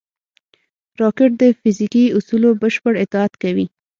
راکټ د فزیکي اصولو بشپړ اطاعت کوي